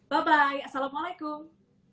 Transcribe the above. bye bye assalamualaikum